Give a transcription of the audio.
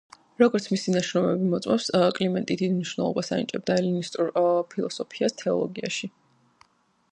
როგორც მისი ნაშრომები მოწმობს, კლიმენტი დიდ მნიშვნელობას ანიჭებდა ელინისტურ ფილოსოფიას თეოლოგიაში.